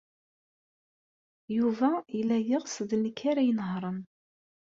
Yuba yella yeɣs d nekk ara inehṛen.